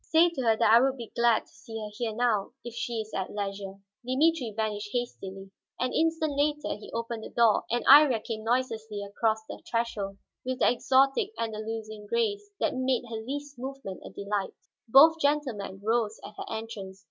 "Say to her that I would be glad to see her here, now, if she is at leisure." Dimitri vanished hastily. An instant later he opened the door, and Iría came noiselessly across the threshold with the exotic, Andalusian grace that made her least movement a delight. Both gentlemen rose at her entrance.